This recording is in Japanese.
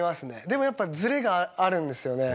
でもやっぱズレがあるんですよね。